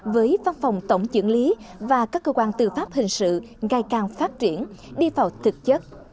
với văn phòng tổng trưởng lý và các cơ quan tư pháp hình sự ngày càng phát triển đi vào thực chất